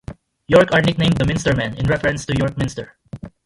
York are nicknamed "the Minstermen", in reference to York Minster.